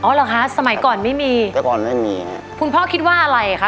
เหรอคะสมัยก่อนไม่มีแต่ก่อนไม่มีคุณพ่อคิดว่าอะไรคะ